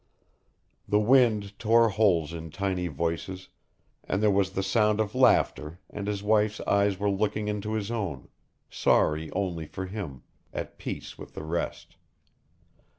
_ The wind tore holes in tiny voices and there was the sound of laughter and his wife's eyes were looking into his own, sorry only for him, at peace with the rest.